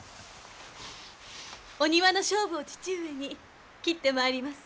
お庭の菖蒲を父上に切ってまいります。